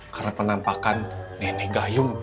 karena penampakan nenek gayung